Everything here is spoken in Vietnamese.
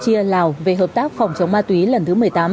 chia lào về hợp tác phòng chống ma túy lần thứ một mươi tám